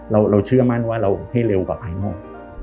เราจะเชื่อมั่นให้เร็วกว่าไอน่อม